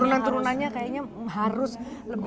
turunan turunannya kayaknya harus lebih